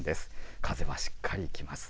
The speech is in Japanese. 風もしっかりきます。